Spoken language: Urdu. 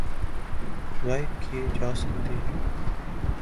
غائب کئے جا چکے ہیں